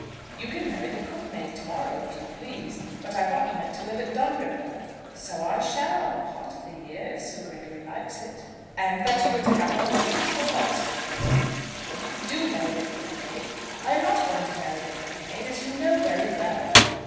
You can marry the cook maid to morrow, if you please. But I thought you meant to live at Dunripple?" "So I shall, part of the year; if Sir Gregory likes it." "And that you were to have an allowance and all that sort of thing. Now, if you do marry the cook maid " "I am not going to marry the cook maid, as you know very well."